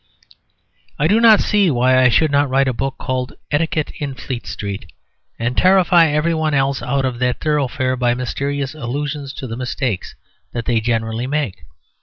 I do not see why I should not write a book called "Etiquette in Fleet Street," and terrify every one else out of that thoroughfare by mysterious allusions to the mistakes that they generally make.